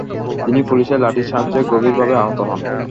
তিনি পুলিশের লাঠি চার্চে গভীর ভাবে আহত হন।